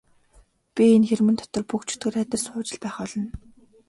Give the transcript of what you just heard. Би энэ хэрмэн дотор буг чөтгөр адил сууж л байх болно.